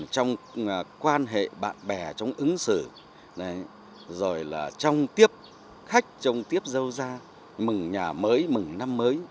được quan hệ bạn bè trong ứng xử rồi là trông tiếp khách trông tiếp dâu gia mừng nhà mới mừng năm mới